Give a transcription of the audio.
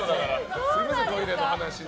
すみませんね、トイレの話。